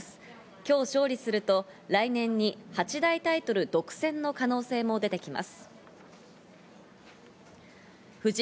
今日勝利すると来年に八大タイトル独占の可能性も出てきます。